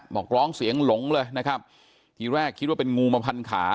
บอกร้องเสียงหลงเลยนะครับทีแรกคิดว่าเป็นงูมาพันขา